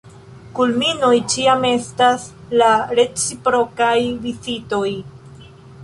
Kulminoj ĉiam estas la reciprokaj vizitoj.